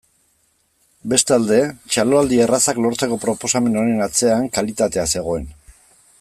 Bestalde, txaloaldi errazak lortzeko proposamen honen atzean kalitatea zegoen.